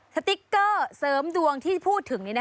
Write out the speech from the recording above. สติ๊กเกอร์เสริมดวงที่พูดถึงนี่นะคะ